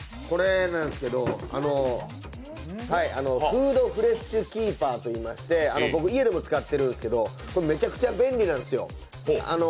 フードフレッシュキーパーといいまして、僕、家でも使ってるんですけど、めちゃくちゃ便利なんですよ。